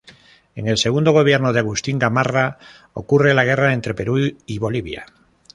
En el segundo gobierno de Agustín Gamarra ocurre la Guerra entre Perú y Bolivia.